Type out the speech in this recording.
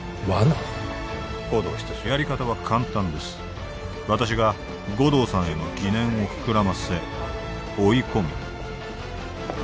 やり方は簡単です私が護道さんへの疑念を膨らませ追い込み